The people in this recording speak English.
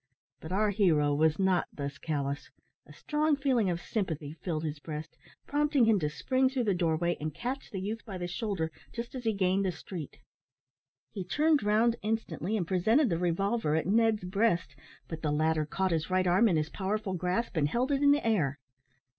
But our hero was not thus callous. A strong feeling of sympathy filled his breast, prompting him to spring through the doorway, and catch the youth by the shoulder just as he gained the street. He turned round instantly, and presented the revolver at Ned's breast, but the latter caught his right arm in his powerful grasp and held it in the air.